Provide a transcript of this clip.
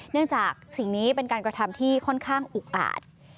จากสิ่งนี้เป็นการกระทำที่ค่อนข้างอุกอาจ